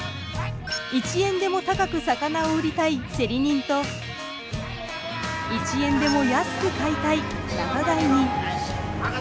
一円でも高く魚を売りたい競り人と一円でも安く買いたい仲買人。